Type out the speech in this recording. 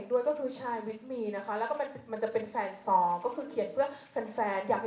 ว้าวใครฟังแล้วใครชอบเพลงนี้ยกมือขึ้นค่ะ